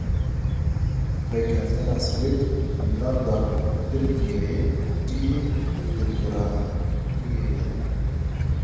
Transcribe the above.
Rêkeftina Swêd, Fînlanda û Tirkiyeyê cihê dilgiraniyê ye.